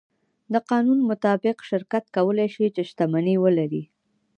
د قانون مطابق شرکت کولی شي، چې شتمنۍ ولري.